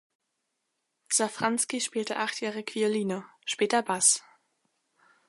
Safranski spielte achtjährig Violine, später Bass.